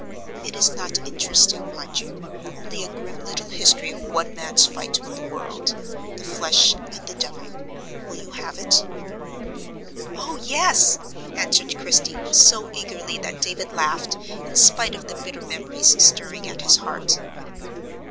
It is not interesting, mind you,—only a grim little history of one man's fight with the world, the flesh, and the devil: will you have it?" "Oh, yes!" answered Christie, so eagerly that David laughed, in spite of the bitter memories stirring at his heart.